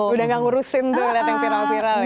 udah gak ngurusin tuh lihat yang viral viral ya